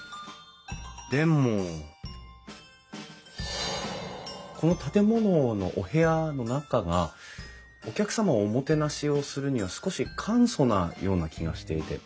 でもこの建物のお部屋の中がお客様をおもてなしをするには少し簡素なような気がしていて。